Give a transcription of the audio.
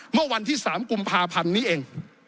เมื่อวันที่๓กุมภาพันธ์นี้เอง